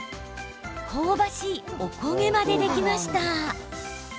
香ばしい、おこげまでできました。